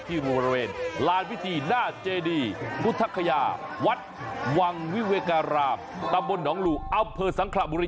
ที่บริเวณลานพิธีหน้าเจดีพุทธคยาวัดวังวิเวการามตำบลหนองหลู่อำเภอสังขระบุรี